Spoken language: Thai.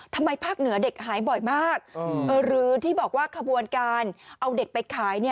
ภาคเหนือเด็กหายบ่อยมากหรือที่บอกว่าขบวนการเอาเด็กไปขาย